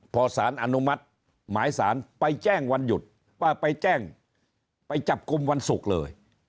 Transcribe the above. พอสารอนุมัติหมายสารไปแจ้งวันหยุดป้าไปแจ้งไปจับกลุ่มวันศุกร์เลย